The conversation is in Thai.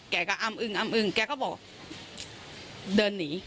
แกก็อ้ำอึ้งอ้ำอึ้งแกก็บอกเดินหนี